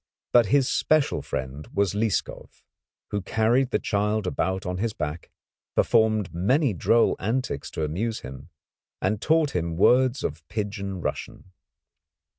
But his special friend was Lieskov, who carried the child about on his back, performed many droll antics to amuse him, and taught him words of pidgin Russian.